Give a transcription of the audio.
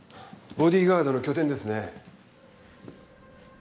ボディーガードの拠点ですね。